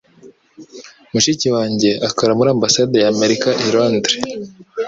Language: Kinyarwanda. Mushiki wanjye akora muri Ambasade y’Amerika i Londres.